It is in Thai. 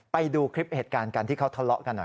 ไปดูคลิปเหตุการณ์กันที่เขาทะเลาะกันหน่อย